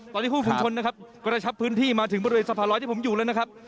ตอนนี้คู่ภูมิชนนะครับกระชับพื้นที่มาถึงบริเวณสะพานลอยที่ผมอยู่แล้วนะครับ